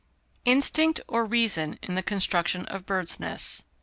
_Instinct or Reason in the Construction of Birds' Nests.